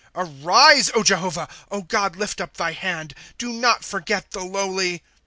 ^^ Arise, Jehovah ; God, lift up thy hand ; Do not forget the lowly.